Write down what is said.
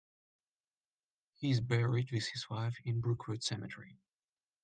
He is buried with his wife in Brookwood Cemetery.